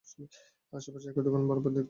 আশেপাশে একই দোকান বারবার দেখতে পাচ্ছি।